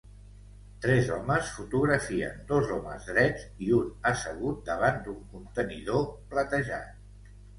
Tres homes fotografien dos homes drets i un assegut davant d'un contenidor platejat